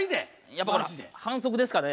やっぱ反則ですかね。